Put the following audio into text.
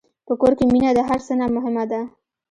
په کور کې مینه د هر څه نه مهمه ده.